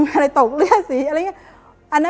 อะไรตกเลือดสีอะไรอย่างนี้